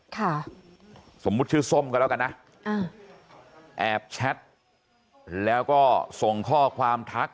ค่ะสมมุติชื่อส้มก็แล้วกันนะอ่าแอบแชทแล้วก็ส่งข้อความทัก